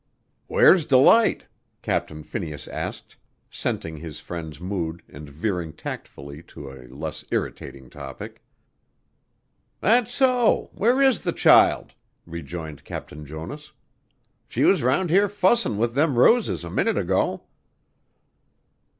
"Where's Delight?" Captain Phineas asked, scenting his friend's mood and veering tactfully to a less irritating topic. "That's so! Where is the child?" rejoined Captain Jonas. "She was round here fussin' with them roses a minute ago."